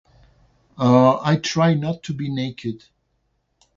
Uh, I try not to be naked.